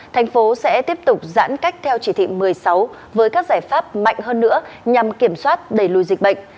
thành phố sẽ tiếp tục giãn cách theo chỉ thị một mươi sáu với các giải pháp mạnh hơn nữa nhằm kiểm soát đẩy lùi dịch bệnh